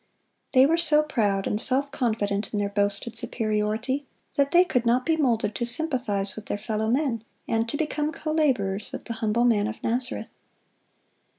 They were so proud and self confident in their boasted superiority that they could not be moulded to sympathize with their fellow men, and to become co laborers with the humble Man of Nazareth.